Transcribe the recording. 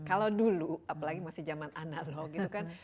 kalau dulu apalagi masih zaman analog gitu kan